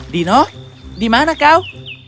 dino di mana kau